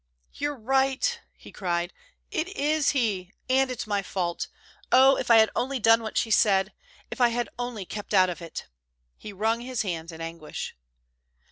"You're right!" he cried. "It is he! And it's my fault. Oh, if I had only done what she said! If I had only kept out of it!" He wrung his hands in his anguish.